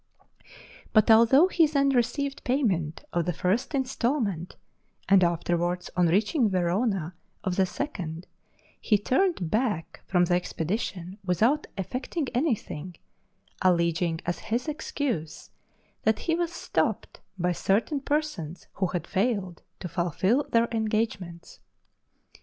But although he then received payment of the first instalment and, afterwards, on reaching Verona, of the second, he turned back from the expedition without effecting anything, alleging as his excuse that he was stopped by certain persons who had failed to fulfil their engagements.